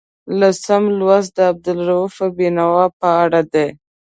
لسم لوست د عبدالرؤف بېنوا په اړه دی.